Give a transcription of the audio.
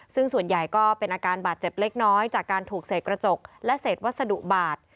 ซึ่งส่วนใหญ่ก็เป็นอาการบาดเจ็บเล็กน้อยจากการถูกเศษกระจกและเศษวัสดุบาด